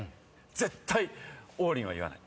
絶対「王林」は言わない。